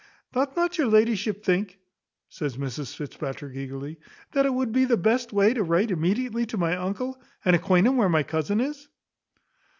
"Doth not your ladyship think," says Mrs Fitzpatrick eagerly, "that it would be the best way to write immediately to my uncle, and acquaint him where my cousin is?"